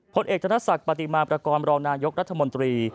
ผลเอกธนศักดิ์ปฏิมาประกอบรองนายกรัฐมนตรี